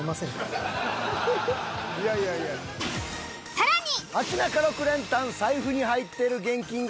［さらに！］